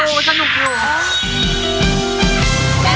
สนุกอยู่สนุกอยู่